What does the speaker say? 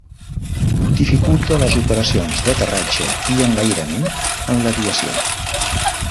Dificulta les operacions d'aterratge i enlairament en l'aviació.